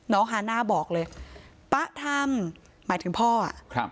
ฮาน่าบอกเลยป๊าทำหมายถึงพ่ออ่ะครับ